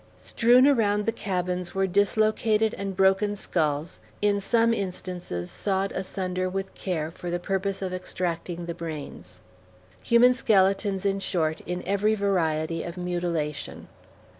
Strewn around the cabins were dislocated and broken skulls (in some instances sawed asunder with care for the purpose of extracting the brains). Human skeletons, in short, in every variety of mutilation.